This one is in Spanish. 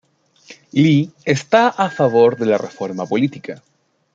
Li está a favor de la reforma política.